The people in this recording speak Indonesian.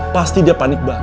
pasti dia panik banget